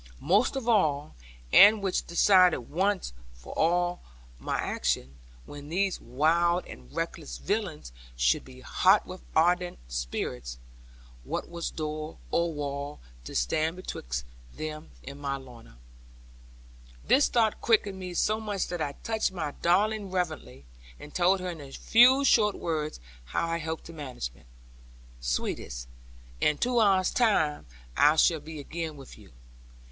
Most of all, and which decided once for all my action, when these wild and reckless villains should be hot with ardent spirits, what was door, or wall, to stand betwixt them and my Lorna? This thought quickened me so much that I touched my darling reverently, and told her in a few short words how I hoped to manage it. 'Sweetest, in two hours' time, I shall be again with you.